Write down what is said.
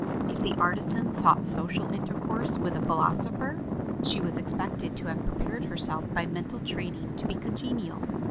If the artisan sought social intercourse with a philosopher, she was expected to have prepared herself by mental training to be congenial.